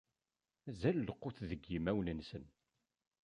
Mazal lqut deg yimawen-nsen.